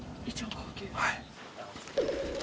はい。